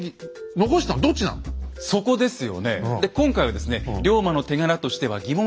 そこですよね。